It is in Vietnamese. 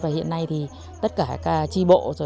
hiện nay tất cả tri bộ